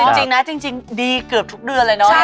เอาจริงนะจริงดีเกือบทุกเดือนเลยเนาะ